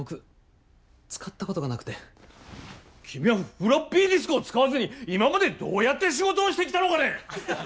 君はフロッピーディスクを使わずに今までどうやって仕事をしてきたのかね！？